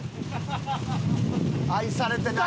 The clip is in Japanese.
愛されてないわ。